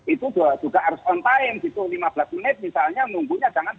itu yang harus dilakukan